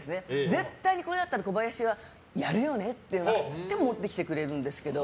絶対これだったら小林は、やるよねって持ってきてくれるんですけど。